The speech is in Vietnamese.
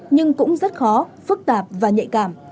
nhưng cũng rất khó phức tạp và nhạy cảm